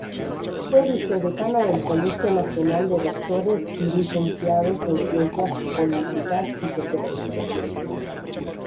Fue vicedecana del Colegio Nacional de Doctores y Licenciados en Ciencias Políticas y Sociología.